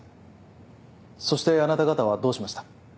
そしてあなた方はどうしました？